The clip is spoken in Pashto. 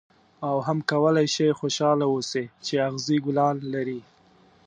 او هم کولای شې خوشاله اوسې چې اغزي ګلان لري.